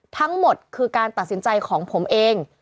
ทั้งหมดคือการตัดสินใจของผมเอง